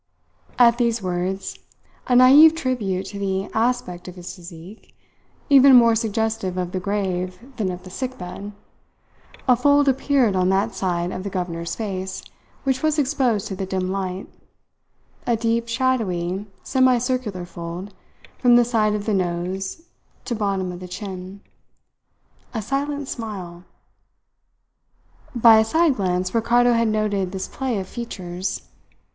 At these words, a naive tribute to the aspect of his physique, even more suggestive of the grave than of the sick bed, a fold appeared on that side of the governor's face which was exposed to the dim light a deep, shadowy, semicircular fold from the side of the nose to bottom of the chin a silent smile. By a side glance Ricardo had noted this play of features.